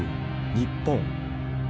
日本。